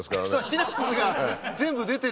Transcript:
シナプスが全部出てるの？